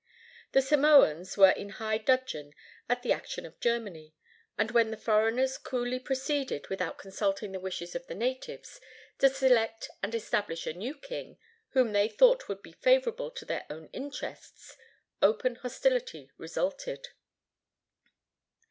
The Samoans were in high dudgeon at the action of Germany: and when the foreigners coolly proceeded, without consulting the wishes of the natives, to select and establish a new king, whom they thought would be favorable to their own interests, open hostility resulted.